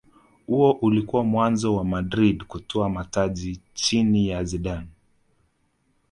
huo ulikuwa mwanzo wa madrid kutwaa mataji chini ya zidane